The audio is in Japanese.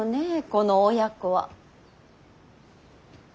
この親子は。